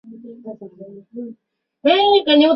但噶厦未恢复其呼图克图封号。